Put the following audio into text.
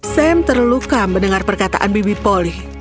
sam terluka mendengar perkataan bibi poli